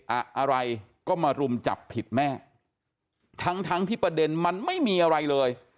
อะไรก็มารุมจับผิดแม่ทั้งทั้งที่ประเด็นมันไม่มีอะไรเลย